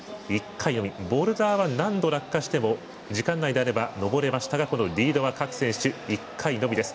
ボルダーは何度、落下しても時間内であれば登れましたがこのリードは各選手１回のみです。